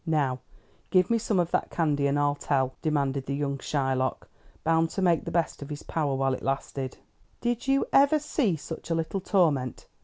"Now give me some of that candy, and I'll tell," demanded the young Shylock, bound to make the best of his power while it lasted. "Did you ever see such a little torment?